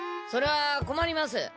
それはこまります。